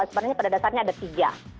sebenarnya pada dasarnya ada tiga